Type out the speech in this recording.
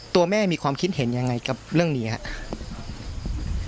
ตัวแม่มีความคิดเห็นยังไงกับเรื่องนี้ครับ